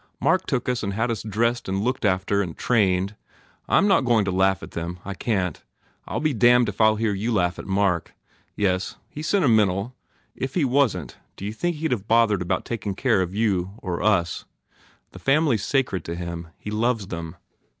Mark took us and had us dressed and looked after trained. I m not go ing to laugh at them. I can t. I ll be damned if I ll hear you laugh at Mark. Yes, he s senti mental! If he wasn t, d you think he d have bothered about taking care of you of us? The family s sacred to him. He loves them.